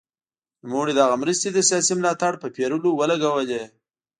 نوموړي دغه مرستې د سیاسي ملاتړ په پېرلو ولګولې.